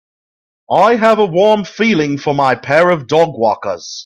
I have a warm feeling for my pair of dogwalkers.